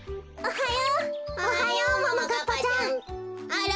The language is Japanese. あら？